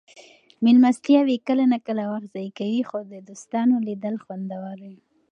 مېلمستیاوې کله ناکله وخت ضایع کوي خو د دوستانو لیدل خوندور وي.